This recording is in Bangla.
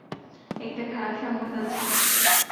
একটা খারাপ সংবাদ আছে।